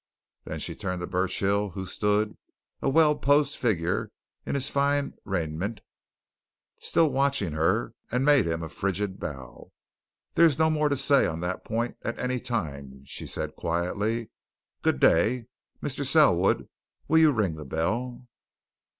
Then she turned to Burchill, who stood, a well posed figure in his fine raiment, still watching her, and made him a frigid bow. "There is no more to say on that point at any time," she said quietly. "Good day. Mr. Selwood, will you ring the bell?"